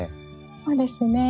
そうですね。